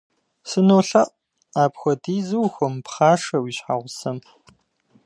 СынолъэӀу, апхуэдизу ухуэмыпхъашэ уи щхьэгъусэм.